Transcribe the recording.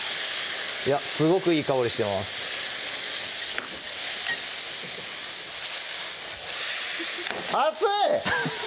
いやすごくいい香りしてます熱い！